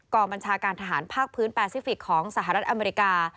บัญชาการทหารภาคพื้นแปซิฟิกของสหรัฐอเมริกา